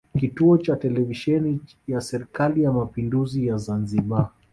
Kituo cha Televisheni ya Serikali ya Mapinduzi ya Zanzibar